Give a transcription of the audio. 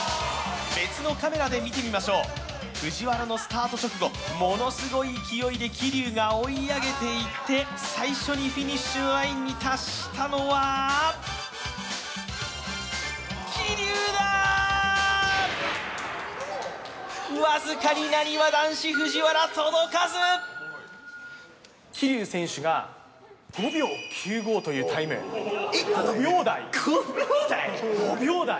別のカメラで見てみましょう藤原のスタート直後ものすごい勢いで桐生が追い上げていって最初にフィニッシュのラインに達したのは桐生だわずかになにわ男子・藤原届かず桐生選手が５秒９５というタイム５秒台５秒台？